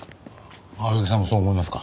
青柳さんもそう思いますか？